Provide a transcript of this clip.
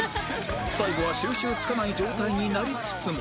最後は収拾つかない状態になりつつも